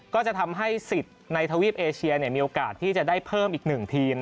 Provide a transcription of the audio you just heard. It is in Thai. ก็จะทำให้สิทธิ์ในทวีปเอเชียมีโอกาสที่จะได้เพิ่มอีก๑ทีม